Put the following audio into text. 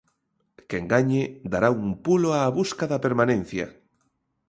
Quen gañe dará un pulo á busca da permanencia.